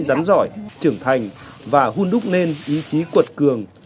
giúp con gái rắn giỏi trưởng thành và hôn đúc nên ý chí cuột cường